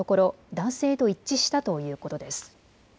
男性と一致したということです。